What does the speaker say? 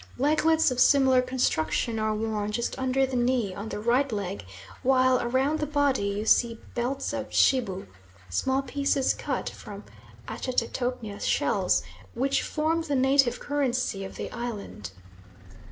Leglets of similar construction are worn just under the knee on the right leg, while around the body you see belts of tshibbu, small pieces cut from Achatectonia shells, which form the native currency of the island.